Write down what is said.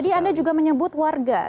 tadi anda juga menyebut warga